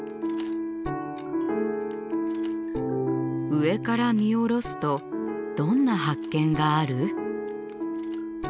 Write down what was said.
上から見下ろすとどんな発見がある？